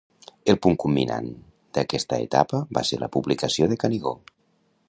El punt culminant d'aquesta etapa va ser la publicació de Canigó.